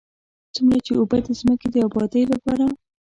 څومره چې اوبه د ځمکې د ابادۍ لپاره.